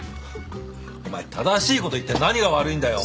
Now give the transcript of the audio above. お前正しいこと言って何が悪いんだよ。